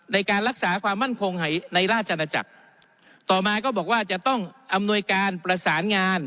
ในการรักษาความมั่นคงในราชนาจักรต่อมาก็บอกว่าจะต้องอำนวยการประสานงาน